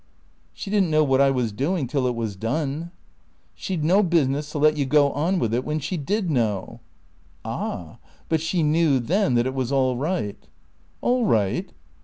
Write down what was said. "She didn't know what I was doing till it was done." "She'd no business to let you go on with it when she did know." "Ah! but she knew then that it was all right." "All right?"